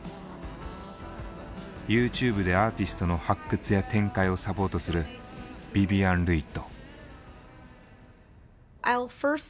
ＹｏｕＴｕｂｅでアーティストの発掘や展開をサポートするヴィヴィアン・ルイット。